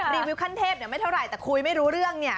รีวิวขั้นเทพไม่เท่าไหร่แต่คุยไม่รู้เรื่องเนี่ย